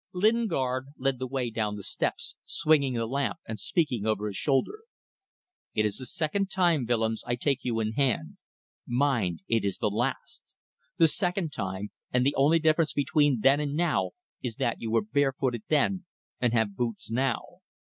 Lingard led the way down the steps, swinging the lamp and speaking over his shoulder. "It is the second time, Willems, I take you in hand. Mind it is the last. The second time; and the only difference between then and now is that you were bare footed then and have boots now.